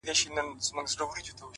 که مي د دې وطن له کاڼي هم کالي څنډلي ـ